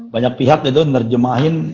banyak pihak itu ngerjemahin